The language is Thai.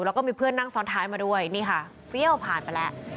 แล้วก็มีเพื่อนนั่งซ้อนท้ายมาด้วยนี่ค่ะเฟี้ยวผ่านไปแล้ว